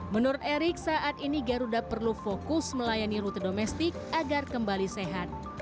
menurut erik saat ini garuda perlu fokus melayani rute domestik agar kembali sehat